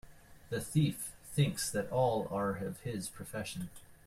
The thief thinks that all are of his profession.